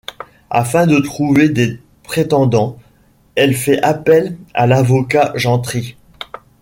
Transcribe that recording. Afin de trouver des prétendants, elle fait appel à l'avocat Gentry.